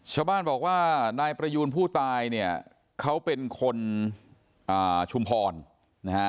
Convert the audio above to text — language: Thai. ชาวบ้านบอกว่านายประยูนผู้ตายเนี่ยเขาเป็นคนชุมพรนะฮะ